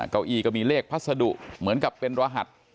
เก้าอี้ก็มีเลขพัสดุเหมือนกับเป็นรหัส